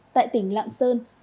tại tỉnh lạng sơn